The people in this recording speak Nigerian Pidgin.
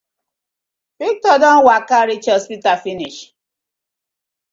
Victor don waka reach hospital finish.